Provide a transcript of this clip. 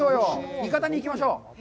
いかだに行きましょう。